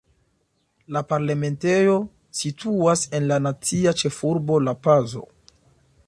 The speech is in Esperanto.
La parlamentejo situas en la nacia ĉefurbo La-Pazo.